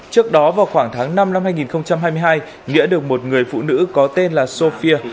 trước đó vào khoảng tháng năm năm hai nghìn hai mươi hai nghĩa được một người phụ nữ có tên là sofia